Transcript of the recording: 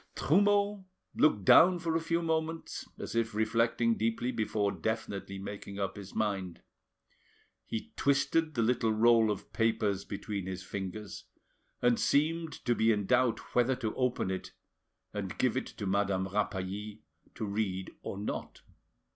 Trumeau looked down for a few moments, as if reflecting deeply before definitely making up his mind. He twisted the little roll of papers between his fingers, and seemed to be in doubt whether to open it and give it to Madame Rapally to read or not.